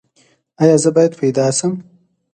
ایا زه باید پیدا شم؟